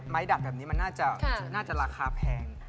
ดัดแบบนี้มันน่าจะราคาแพง